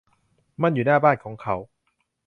มันอยู่หน้าบ้านของเขา